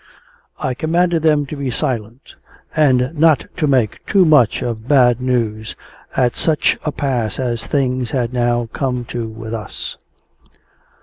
I commanded them to be silent, and not to make too sure of bad news, at such a pass as things had now come to with us.